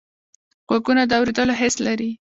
غوږونه د اوریدلو حس لري